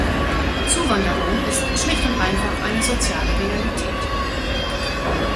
Zuwanderung ist schlicht und einfach eine soziale Realität.